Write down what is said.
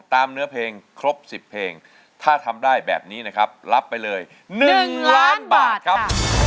เนื้อเพลงครบ๑๐เพลงถ้าทำได้แบบนี้นะครับรับไปเลย๑ล้านบาทครับ